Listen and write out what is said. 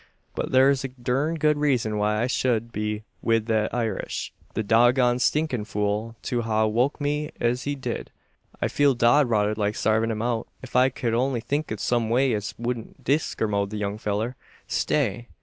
But thur's a durned good reezun why I shed be wi' thet Irish the dog goned, stinkin' fool, to ha' woke me es he dud! I feel dod rotted like sarvin' him out, ef I ked only think o' some way as wudn't diskermode the young fellur. Stay!